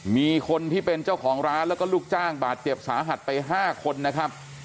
มีคนที่เป็นเจ้าของร้านแล้วก็ลูกจ้างบาดเจ็บสาหัสไป๕คนนะครับ